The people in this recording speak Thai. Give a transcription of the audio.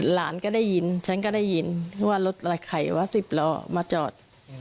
หลานก็ได้ยินฉันก็ได้ยินว่ารถอะไรไข่วะ๑๐ล้อมาจอด